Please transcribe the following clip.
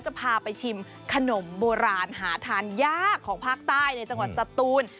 จะพาไปชิมขนมโบราณหาทานยากของภาคใต้ในจังหวัดสตูน